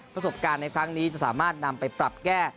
ประสบการณ์ในครั้งนี้จะสามารถนำไปปรับแก้